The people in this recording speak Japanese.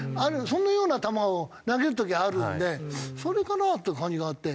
そんなような球を投げる時あるんでそれかなっていう感じがあって。